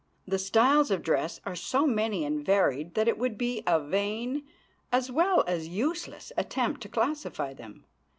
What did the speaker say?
The styles of dress are so many and varied that it would be a vain, as well as useless, attempt to classify them.